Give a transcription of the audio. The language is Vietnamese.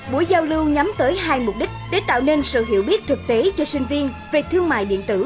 buổi giao lưu nhắm tới hai mục đích để tạo nên sự hiểu biết thực tế cho sinh viên về thương mại điện tử